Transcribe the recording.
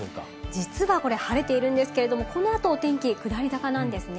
実はこれ晴れているんですけれども、このあと天気下り坂なんですね。